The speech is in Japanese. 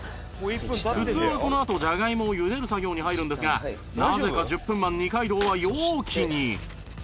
普通はこのあとじゃがいもを茹でる作業に入るんですがなぜか１０分マン二階堂は容器に